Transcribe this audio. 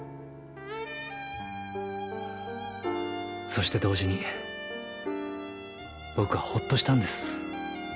そして同時に僕はホッとしたんです。